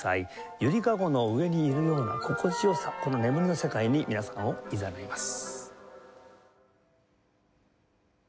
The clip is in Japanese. ゆりかごの上にいるような心地良さこの眠りの世界に皆さんをいざないます。